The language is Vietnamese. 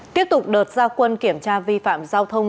tiếp tục đợt gia quân kiểm tra vi phạm giao thông